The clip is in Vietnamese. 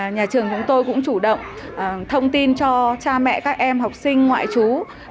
nhà trường chúng tôi cũng chủ động thông tin cho cha mẹ các em học sinh ngoại chú